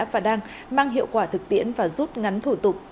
và đang mang hiệu quả thực tiễn và rút ngắn thủ tục